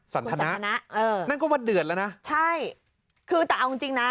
สันทนะเออนั่นก็ว่าเดือดแล้วนะใช่คือแต่เอาจริงจริงนะ